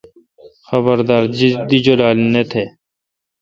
خبردار۔ دی جولال نہ تہ۔